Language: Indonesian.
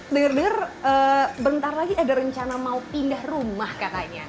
dengar dengar bentar lagi ada rencana mau pindah rumah katanya